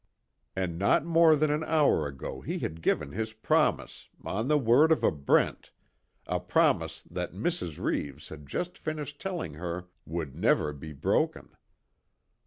And not more than an hour ago he had given his promise on the word of a Brent a promise that Mrs. Reeves had just finished telling her would never be broken.